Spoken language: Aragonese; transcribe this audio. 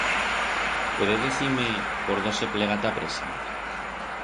Puede decir-me por dó se plega t'a presa?